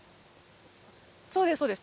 そうです、そうです。